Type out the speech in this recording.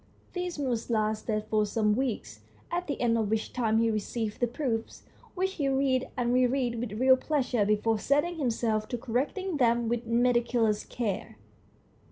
This mood lasted for some weeks, at the end of which time he received the proofs, which he read and re read with real pleasure before setting himself to correcting them with meticulous care.